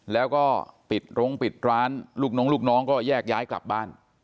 แล้วก็ปิดโรงปิดร้านลูกน้องลูกน้องก็แยกย้ายกลับบ้าน